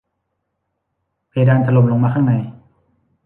เพดานถล่มลงมาข้างใน